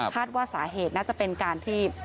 ว่าสาเหตุน่าจะเป็นการที่